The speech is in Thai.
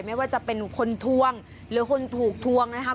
ไม่ว่าจะเป็นคนทวงหรือคนถูกทวงนะครับ